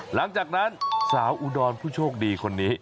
หลังจากนั้นสาวอุดรผู้โชคดีคนนี้